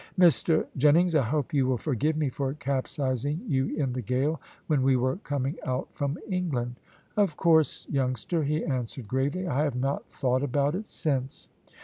"Mr Jennings, I hope you will forgive me for capsizing you in the gale when we were coming out from England." "Of course, youngster," he answered gravely; "I have not thought about it since."